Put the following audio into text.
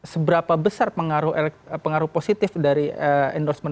seberapa besar pengaruh positif dari endorsement